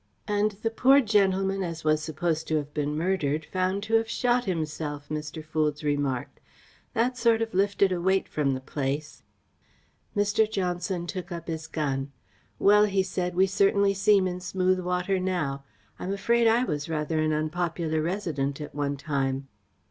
"And the poor gentleman, as was supposed to have been murdered, found to have shot himself!" Mr. Foulds remarked. "That sort of lifted a weight from the place." Mr. Johnson took up his gun. "Well," he said, "we certainly seem in smooth water now. I am afraid I was rather an unpopular resident at one time."